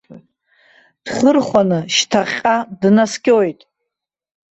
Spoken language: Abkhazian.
Дхырхәаны шьҭахьҟа днаскьоит.